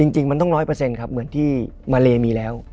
จริงมันต้องน้อยเปอร์เซ็นต์ครับเหมือนที่มาเลมีแล้ว